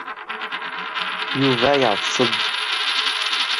Yuba yeɛḍes-d.